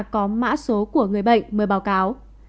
có mã số của người bệnh mới báo cáo